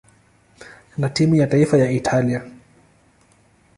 na timu ya taifa ya Italia.